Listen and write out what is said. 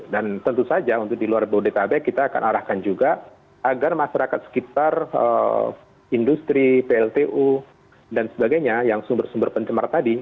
dan tentu saja untuk di luar bodetabek kita akan arahkan juga agar masyarakat sekitar industri pltu dan sebagainya yang sumber sumber pencemar tadi